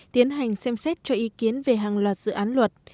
tiến hành xem xét cho ý kiến về hàng loạt dự án luật